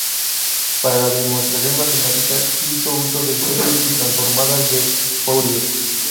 Para la demostración matemática hizo uso de series y transformadas de Fourier.